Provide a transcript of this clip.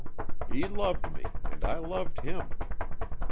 He loved me and I loved him.